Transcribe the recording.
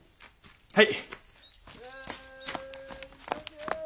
はい。